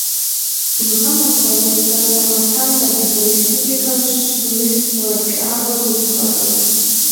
Мы гъэм апхуэдэ пщӏэр лъагъэсащ Адыгэ Республикэм щыщ «Мыст» уэрэджыӏакӏуэ ныбжьыщӏэхэм.